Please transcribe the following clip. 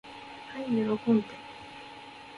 はい喜んで。